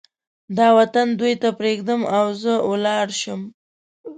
دا وطن دوی ته پرېږدم او زه ولاړ شم.